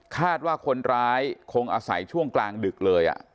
คาดว่าคนร้ายคงอาศัยช่วงกลางดึกเลย